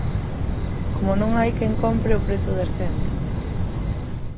Como non hai quen compre, o prezo descende.